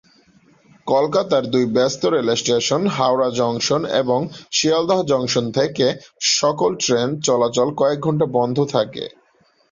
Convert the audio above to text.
কলকাতার দুই ব্যস্ত রেল স্টেশন হাওড়া জংশন এবং শিয়ালদহ জংশন থেকে সকল ট্রেন চলাচল কয়েক ঘণ্টা বন্ধ থাকে।